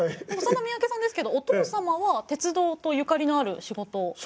でもそんな三宅さんですけどお父様は鉄道とゆかりのある仕事を。